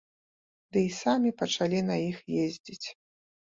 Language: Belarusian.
Ды і самі пачалі на іх ездзіць.